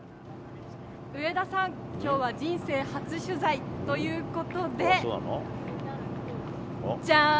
上田さん、きょうは人生初取材ということで、じゃん！